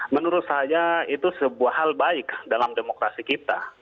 menurut saya itu sebuah hal baik dalam demokrasi kita